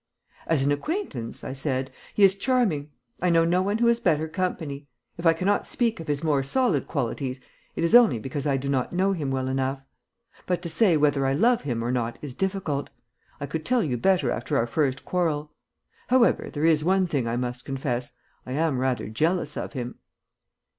"As an acquaintance," I said, "he is charming; I know no one who is better company. If I cannot speak of his more solid qualities, it is only because I do not know him well enough. But to say whether I love him or not is difficult; I could tell you better after our first quarrel. However, there is one thing I must confess. I am rather jealous of him."